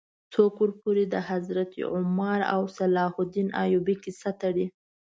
څوک ورپورې د حضرت عمر او صلاح الدین ایوبي کیسه تړي.